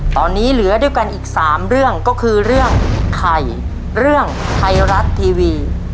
ตอนนี้เหลือด้วยกันอีก๓เรื่องก็คือเรื่องไข่เรื่องไทยรัฐทีวี